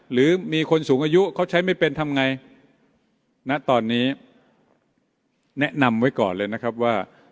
หรือมีคนสูงอายุเขาใช้ไม่เป็นทำไงณตอนนี้แนะนำไว้ก่อนเลยนะครับว่า